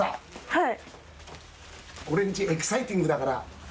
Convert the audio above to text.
はい？